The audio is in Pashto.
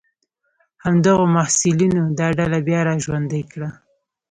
همدغو محصلینو دا ډله بیا را ژوندۍ کړه.